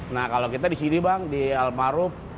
nah kalau kita di sini bang di almarhum